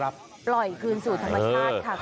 ปล่อยคืนสู่ธรรมชาติค่ะ